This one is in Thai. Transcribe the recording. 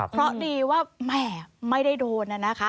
เพราะดีว่าแหมไม่ได้โดนนะคะ